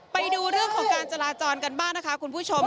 ไปดูเรื่องของการจราจรกันบ้างนะคะคุณผู้ชม